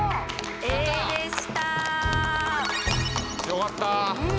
よかった。